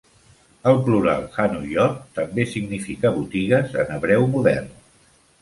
El plural "hanuyot" també significa "botigues" en hebreu modern.